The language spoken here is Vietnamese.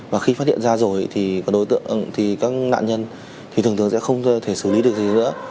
và khi phát hiện ra rồi thì các nạn nhân thì thường thường sẽ không thể xử lý được gì nữa